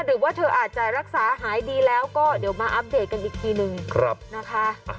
หรือว่าเธออาจจะรักษาหายดีแล้วก็เดี๋ยวมาอัปเดตกันอีกทีนึงนะคะ